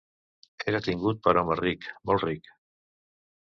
Era tingut per home ric, molt ric.